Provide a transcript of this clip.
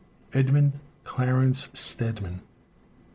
EDMUND CLARENCE STEDMAN.